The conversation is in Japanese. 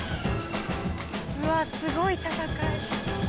うわすごい戦い！